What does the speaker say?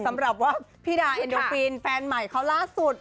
สำหรับว่าพี่ดาเอ็นโดฟินแฟนใหม่เขาล่าสุด